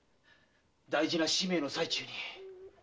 大事な使命の最中に。